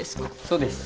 そうです。